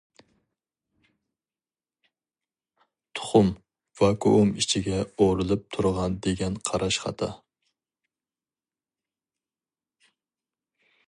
«تۇخۇم» ۋاكۇئۇم ئىچىگە ئورىلىپ تۇرغان دېگەن قاراش خاتا.